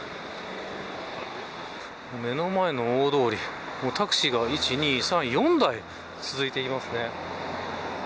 目の前の大通りタクシーが４台続いています。